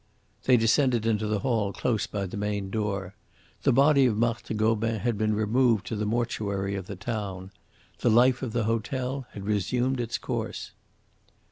They descended into the hall close by the main door. The body of Marthe Gobin had been removed to the mortuary of the town. The life of the hotel had resumed its course.